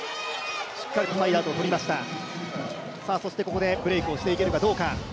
ここでブレイクをしていけるかどうか。